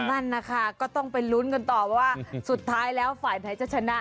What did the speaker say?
นั่นนะคะก็ต้องไปลุ้นกันต่อว่าสุดท้ายแล้วฝ่ายไหนจะชนะ